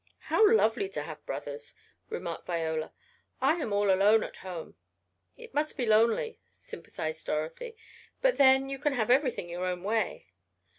"How lovely to have brothers!" remarked Viola. "I am all alone at home." "It must be lonely," sympathized Dorothy, "but then, you can have everything your own way."